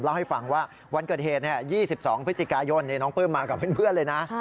เล่าให้ฟังว่าวันเกิดเหตุ๒๒พฤศจิกายนน้องปลื้มมากับเพื่อนเลยนะ